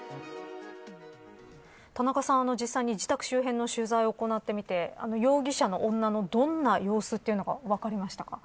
田中さん、実際に自宅周辺の取材を行ってみて容疑者の女のどんな様子が分かりましたか。